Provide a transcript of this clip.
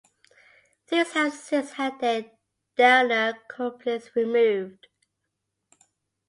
These have since had their Dellner couplings removed.